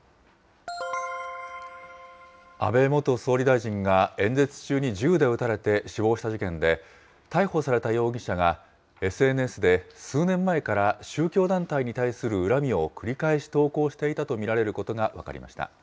安倍元総理大臣が演説中に銃で撃たれて死亡した事件で、逮捕された容疑者がＳＮＳで数年前から宗教団体に対する恨みを繰り返し投稿していたと見られることが分かりました。